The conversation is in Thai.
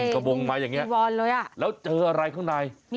กระบงมาอย่างนี้แล้วเจออะไรข้างใน